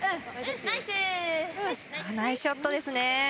ナイスショットですね。